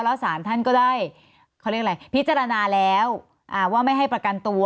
แล้วสารท่านก็ได้พิจารณาแล้วว่าไม่ให้ประกันตัว